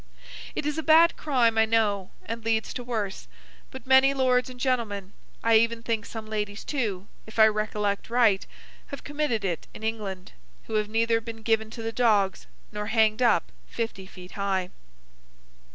It is a bad crime, I know, and leads to worse; but, many lords and gentlemen—I even think some ladies, too, if I recollect right—have committed it in England, who have neither been given to the dogs, nor hanged up fifty feet high.